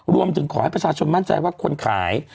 รวมถึงขอให้ประชาชนมั่นใจว่าคนขาย